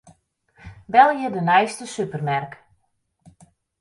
Belje de neiste supermerk.